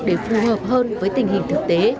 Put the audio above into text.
để phù hợp hơn với tình hình thực tế